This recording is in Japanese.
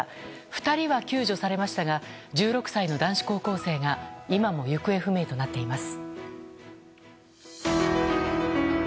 ２人は救助されましたが１６歳の男子高校生が今も行方不明となっています。